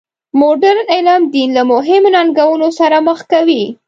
مډرن علوم دین له مهمو ننګونو سره مخ کوي.